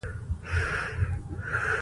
اقلیم د افغان ځوانانو لپاره دلچسپي لري.